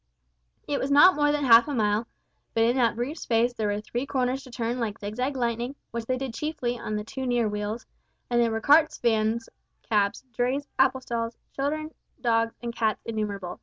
It was not more than half a mile; but in that brief space there were three corners to turn like zigzag lightning, which they did chiefly on the two near wheels, and there were carts, vans, cabs, drays, apple stalls, children, dogs, and cats innumerable.